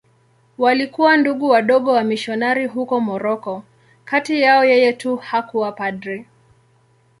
Walikuwa Ndugu Wadogo wamisionari huko Moroko.Kati yao yeye tu hakuwa padri.